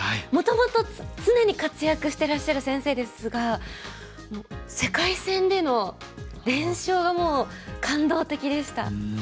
もともと常に活躍してらっしゃる先生ですが世界戦での連勝がもう感動的でした。